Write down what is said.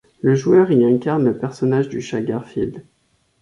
Le joueur y incarne le personnage du chat Garfield.